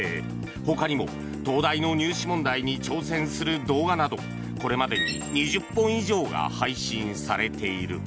ほかにも東大の入試問題に挑戦する動画などこれまでに２０本以上が配信されている。